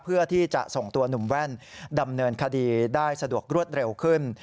เพื่อที่จะส่งตัวหนุ่มแว่นดำเนินคดีได้สะดวกรวดเร็วขึ้น